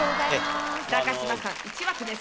高嶋さん１枠です。